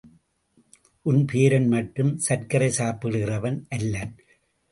உன் பேரன் மட்டும் சர்க்கரை சாப்பிடுகிறவன் அல்லன்.